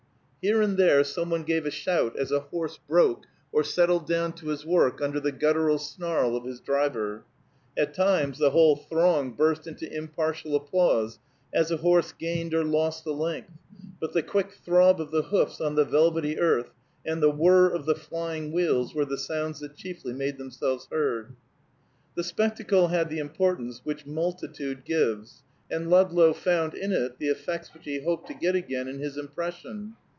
Here and there some one gave a shout as a horse broke, or settled down to his work under the guttural snarl of his driver; at times the whole throng burst into impartial applause as a horse gained or lost a length; but the quick throb of the hoofs on the velvety earth and the whir of the flying wheels were the sounds that chiefly made themselves heard. The spectacle had the importance which multitude givers, and Ludlow found in it the effects which he hoped to get again in his impression.